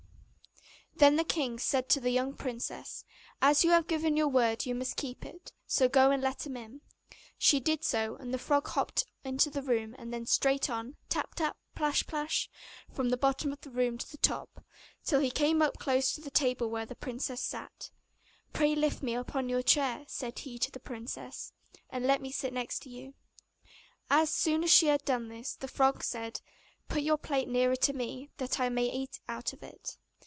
Then the king said to the young princess, 'As you have given your word you must keep it; so go and let him in.' She did so, and the frog hopped into the room, and then straight on tap, tap plash, plash from the bottom of the room to the top, till he came up close to the table where the princess sat. 'Pray lift me upon chair,' said he to the princess, 'and let me sit next to you.' As soon as she had done this, the frog said, 'Put your plate nearer to me, that I may eat out of it.